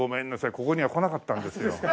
ここには来なかったんですよ。